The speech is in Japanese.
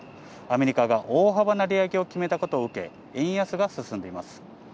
アメリカが大幅な利上げを決めたことを受け、円安が進んでいます。